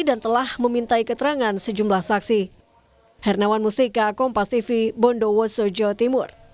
dan telah memintai keterangan sejumlah saksi